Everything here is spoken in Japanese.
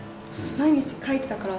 毎日書いてたから。